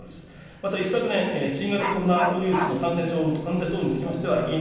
また一昨年、新型コロナウイルスの感染症の患者等につきましては、。